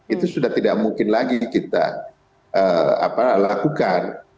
itu sudah tidak mungkin lagi kita lakukan